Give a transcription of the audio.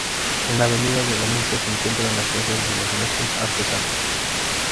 En la Avenida de Valencia se encuentran las casas de los maestros artesanos.